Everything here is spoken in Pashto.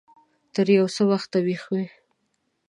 تر يو څه وخته ويښ و.